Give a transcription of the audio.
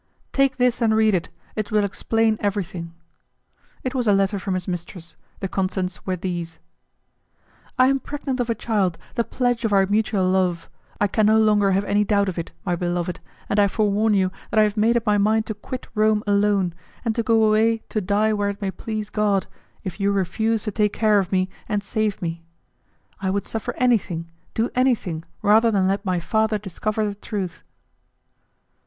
"Take this and read it; it will explain everything." It was a letter from his mistress; the contents were these: "I am pregnant of a child, the pledge of our mutual love; I can no longer have any doubt of it, my beloved, and I forewarn you that I have made up my mind to quit Rome alone, and to go away to die where it may please God, if you refuse to take care of me and save me. I would suffer anything, do anything, rather than let my father discover the truth."